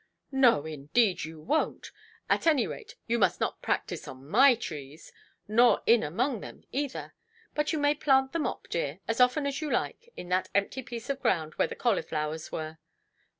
"No, indeed, you wonʼt. At any rate, you must not practise on my trees; nor in among them, either. But you may plant the mop, dear, as often as you like, in that empty piece of ground where the cauliflowers were".